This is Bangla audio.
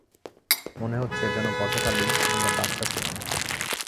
মনে হচ্ছে, যেন গতকালই আমরা বাচ্চা ছিলাম।